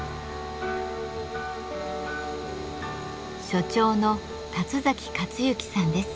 所長の立崎勝幸さんです。